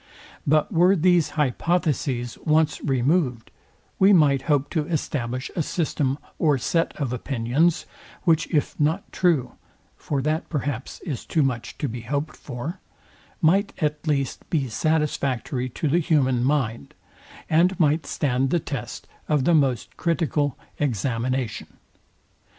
But were these hypotheses once removed, we might hope to establish a system or set of opinions, which if not true (for that, perhaps, is too much to be hoped for) might at least be satisfactory to the human mind, and might stand the test of the most critical examination.